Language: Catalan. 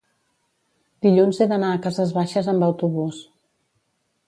Dilluns he d'anar a Cases Baixes amb autobús.